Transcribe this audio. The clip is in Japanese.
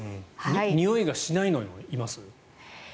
においがしないのもいます？